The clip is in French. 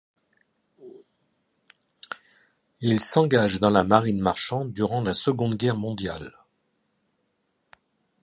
Il s'engage dans la marine marchande durant la Seconde Guerre mondiale.